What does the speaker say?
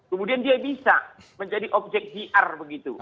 kemudian dia bisa menjadi objek yr begitu